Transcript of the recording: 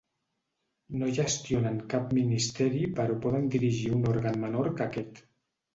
No gestionen cap ministeri però poden dirigir un òrgan menor que aquest.